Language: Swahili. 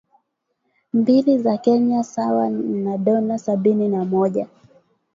mbili za Kenya sawa na dola sabini na mmoja